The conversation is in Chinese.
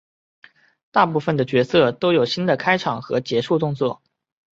大部分的角色都有新的开场和结束动作。